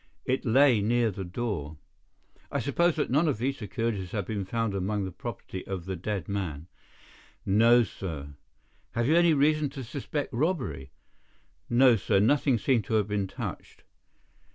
It lay near the door." "I suppose that none of these securities have been found among the property of the dead man?" "No, sir." "Have you any reason to suspect robbery?" "No, sir. Nothing seemed to have been touched."